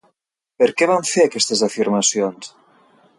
Per què van fer aquestes afirmacions?